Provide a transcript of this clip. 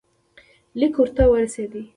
لیک ورته ورسېدی.